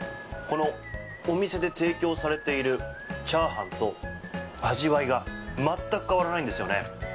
お店で提供されているチャーハンと味わいが全く変わらないんですよね。